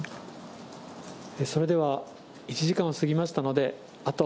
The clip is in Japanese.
それでは１時間を過ぎましたので、あと、